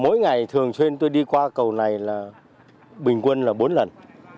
mỗi ngày thường xuyên tôi đi qua cầu này là bình quân là bốn lần